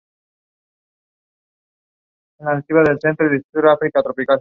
Gretchen queda sorprendida y ambas organizan una reunión.